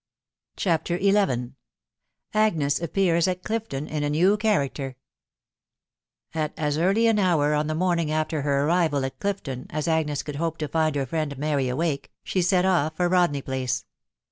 CHAPTER XI. AGNES APPKAAS AT CLIFTON IN A NEW CHA&ACTEft. * At as early an hour, on the morning after her arrival at Clif ton, as Agnes could hope to find her friend Mary awake, she set ofF for Rodney Place.